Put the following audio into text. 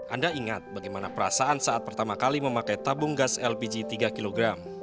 anda ingat bagaimana perasaan saat pertama kali memakai tabung gas lpg tiga kg